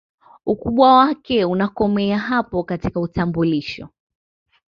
Ukubwa wake unakomea hapo katika utambulisho